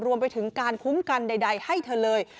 รวมไปถึงการคุ้มกันใดให้เธอเลย